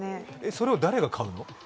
それを誰が買うの？